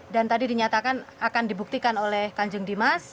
dan tadi dinyatakan akan dibuktikan oleh kanjeng dimas